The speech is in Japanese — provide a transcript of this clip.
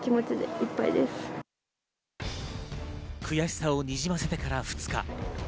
悔しさをにじませてから２日。